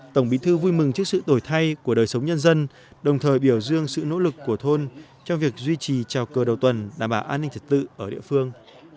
tổng bí thư vui mừng trước sự đổi thay của đời sống nhân dân đồng thời biểu dương sự nỗ lực của thôn cho việc duy trì trào cờ đầu tuần đảm bảo an ninh trật tự ở địa phương